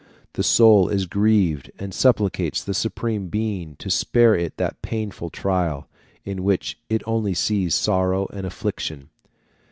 The soul is grieved, and supplicates the Supreme Being to spare it that painful trial, in which it only sees sorrow and affliction.